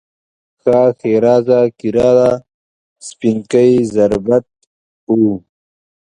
ښه ښېرازه کیراله، سپینکۍ زربټ و